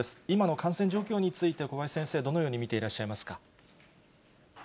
今の感染状況について、小林先生、どのように見ていらっしゃいますか。